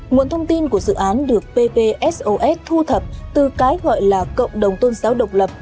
nguồn thông tin của dự án được ppsos thu thập từ cái gọi là cộng đồng tôn giáo độc lập